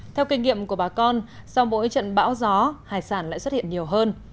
theo kinh nghiệm của bà con sau mỗi trận bão gió hải sản lại xuất hiện nhiều hơn